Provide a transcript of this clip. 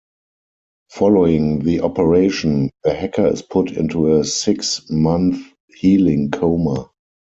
Following the operation, the hacker is put into a six-month healing coma.